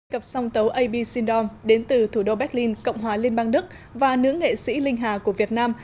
cặp song tấu ab syndom đến từ thủ đô berlin cộng hòa liên bang đức và nữ nghệ sĩ linh hà của việt nam